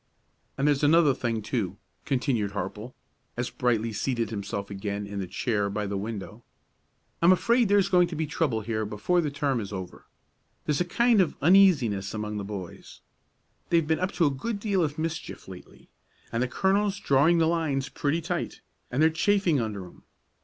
"And there's another thing, too," continued Harple, as Brightly seated himself again in the chair by the window. "I'm afraid there's going to be trouble here before the term is over. There's a kind of uneasiness among the boys; they've been up to a good deal of mischief lately, and the colonel's drawing the lines pretty tight, and they're chafing under 'em.